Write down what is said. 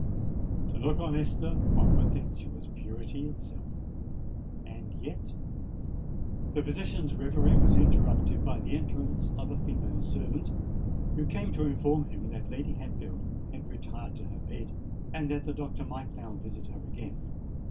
To look on Esther, one would think she was purity itself? And yet——" The physician's reverie was interrupted by the entrance of a female servant, who came to inform him that Lady Hatfield had retired to her bed, and that the Doctor might now visit her again.